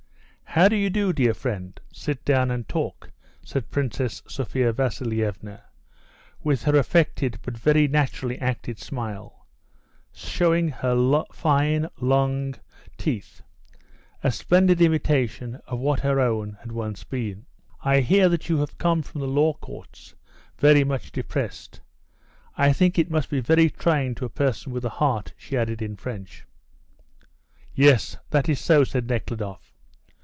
"How do you do, dear friend? Sit down and talk," said Princess Sophia Vasilievna, with her affected but very naturally acted smile, showing her fine, long teeth a splendid imitation of what her own had once been. "I hear that you have come from the Law Courts very much depressed. I think it must be very trying to a person with a heart," she added in French. "Yes, that is so," said Nekhludoff.